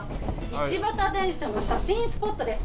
一畑電車の写真スポットです。